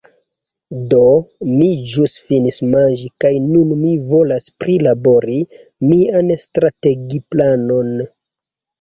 Do, mi ĵus finis manĝi kaj nun mi volas prilabori mian strategiplanon